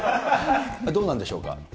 どうなんでしょうか。